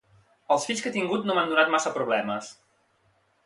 Els fills que he tingut no m'han donat massa problemes.